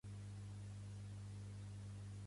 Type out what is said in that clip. Aquest no duu guants!